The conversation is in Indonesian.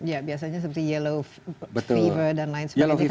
ya biasanya seperti yellow favor dan lain sebagainya